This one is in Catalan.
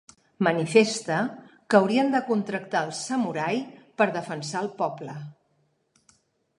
Manifesta que haurien de contractar els samurai per defensar el poble.